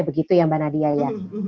begitu ya mbak nadia ya